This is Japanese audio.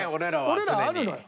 俺らはあるのよ。